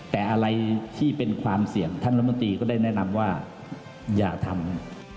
แต่อะไรที่เป็นความเสี่ยงท่านรัฐมนตรีก็ได้แนะนำว่าอย่าทำ